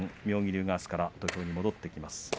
妙義龍があすから土俵に戻ってきます。